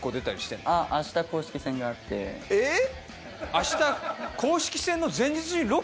えっ！